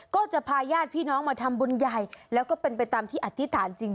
ก็จะพาญาติพี่น้องมาทำบุญใหญ่แล้วก็เป็นไปตามที่อธิษฐานจริง